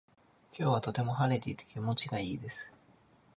今日はとても晴れていて気持ちがいいです。